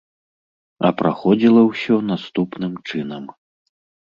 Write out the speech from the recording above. А праходзіла ўсё наступным чынам.